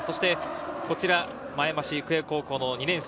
こちら前橋育英高校の２年生。